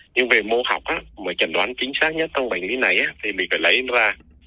nhưng về mô học á mà chẳng đoán chính xác nhất trong bản lý này á thì mình phải lấy nó ra